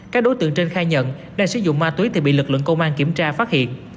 các đối tượng trên khai nhận đang sử dụng ma túy thì bị lực lượng công an kiểm tra phát hiện